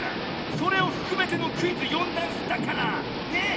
それをふくめてのクイズ「よんだんす」だから！ね。え？